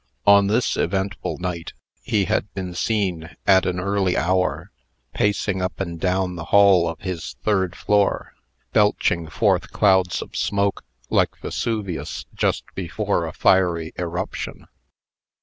On this eventful night, he had been seen, at an early hour, pacing up and down the hall of his third floor, belching forth clouds of smoke, like Vesuvius just before a fiery eruption.